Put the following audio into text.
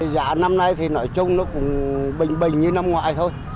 giá năm nay thì nói chung nó cũng bình bình như năm ngoái thôi